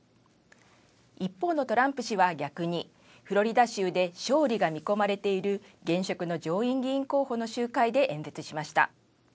一方のトランプ氏は逆に、フロリダ州で勝利が見込まれている現職の上院議員候補の集会で演説しました。